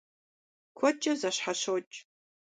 Куэдкӏэ зэщхьэщокӏ.